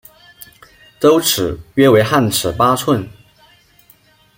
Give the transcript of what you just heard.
周尺约为汉尺八寸。